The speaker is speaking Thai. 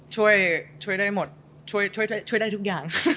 ช่วยได้หมดช่วยได้ทุกอย่าง